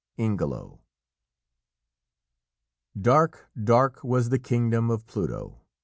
'" Ingelow. Dark, dark was the kingdom of Pluto.